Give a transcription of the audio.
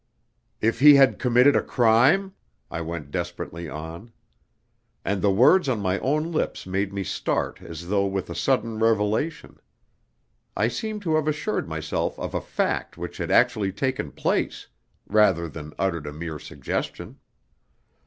"If he had committed a crime?" I went desperately on. And the words on my own lips made me start as though with a sudden revelation. I seemed to have assured myself of a fact which had actually taken place, rather than uttered a mere suggestion.